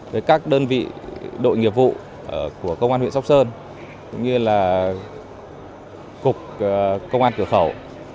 với các đơn vị đội nghiệp vụ của công an huyện sóc sơn cũng như là cục công an cửa khẩu